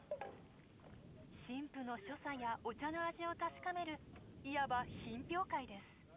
新婦の所作やお茶の味を確かめるいわば品評会です。